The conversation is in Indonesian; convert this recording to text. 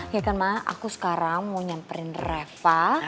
ya kan mah aku sekarang mau nyamperin reva